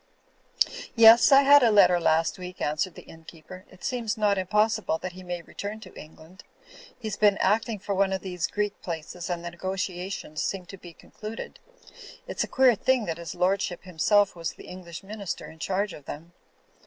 "Yes, I had a letter last week," answered the inn keeper. "It seems not impossible that he may return to England. He's been acting for one of these Greek places, and the negotiations seem to be concluded. It's a queer thing that his lordship himself was the English minister in charge of them."